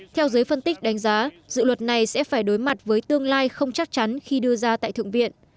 theo giới phân tích đánh giá dự luật này sẽ phải đối mặt với tương lai không chắc chắn khi đưa ra tại thượng viện